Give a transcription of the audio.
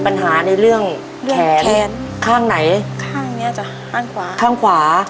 อย่างนี้